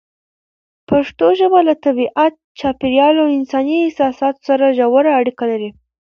پښتو ژبه له طبیعت، چاپېریال او انساني احساساتو سره ژوره اړیکه لري.